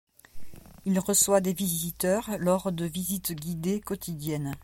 Il reçoit des visiteurs lors de visites guidées quotidiennes.